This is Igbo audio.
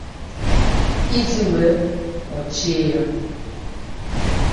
iji wee kpochie ya.